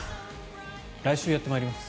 来週やってまいります。